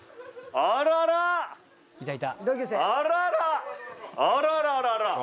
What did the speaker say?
あらららら。